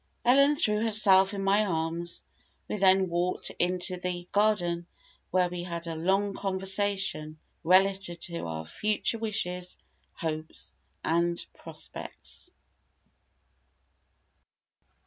Ellen threw herself in my arms; we then walked into the garden, where we had a long conversation relative to our future wishes, hopes and, prospects.